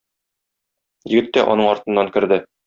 Егет тә аның артыннан керде.